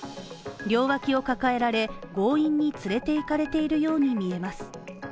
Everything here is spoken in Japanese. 両脇を抱えられ、強引に連れて行かれているようにみえます。